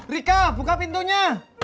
rika buka pintunya